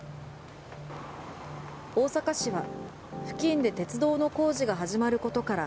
大阪市は付近で鉄道の工事が始まることから